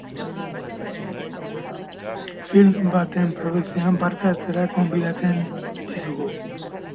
Helburua lortzeko, publikoarengana gerturatu eta film baten produkzioan parte hartzera gonbidatzen du.